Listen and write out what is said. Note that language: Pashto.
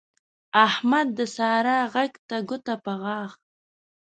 احمد د سارا غږ ته ګوته په غاښ